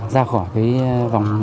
ra khỏi cái vòng